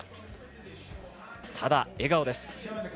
ただ、笑顔です。